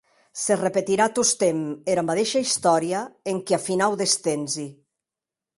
Se repetirà tostemp era madeisha istòria enquiath finau des tempsi.